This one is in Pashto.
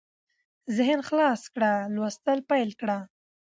ذهن خلاص کړه لوستل پېل کړه